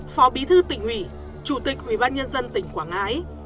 phó bí thư tỉnh huyện chủ tịch huyện ban nhân dân tỉnh quảng ngãi